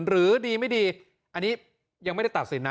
หรือดีไม่ดีอันนี้ยังไม่ได้ตัดสินนะ